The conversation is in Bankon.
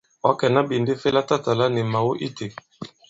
Ɔ̌ kɛ̀na iɓènde fɛ latatàla ni mào itē?